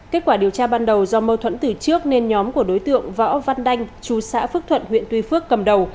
kết quả điều tra ban đầu do mâu thuẫn từ trước nên nhóm của đối tượng võ văn đanh chú xã phước thuận huyện tuy phước cầm đầu